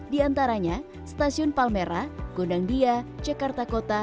diantaranya stasiun palmera gondang dia ceklingko